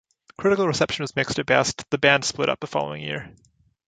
Critical reception was mixed at best, and the band split-up the following year.